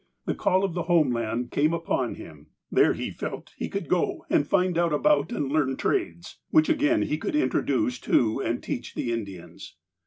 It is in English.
The call of the home land came upon him. There he felt he could go, and find out about and learn trades, which he again could introduce to and teach the Indians.